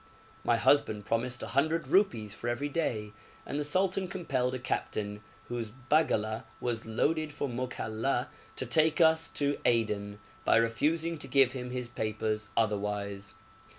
My husband promised 100 rupees for every day, and the sultan compelled a captain whose baggala was loaded for Mokalla to take us to Aden, by refusing to give him his papers otherwise.